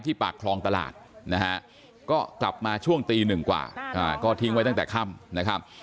ปากคลองตลาดนะฮะก็กลับมาช่วงตีหนึ่งกว่าก็ทิ้งไว้ตั้งแต่ค่ำนะครับ